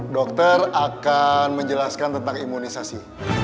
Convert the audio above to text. dokter akan menjelaskan tentang imunisasi